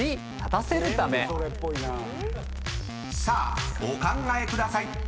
［さあお考えください］